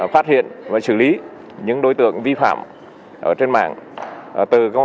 phát hiện và xử lý những đối tượng vi phạm trên mạng